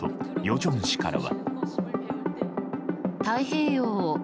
正氏からは。